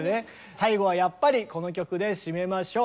最後はやっぱりこの曲で締めましょう。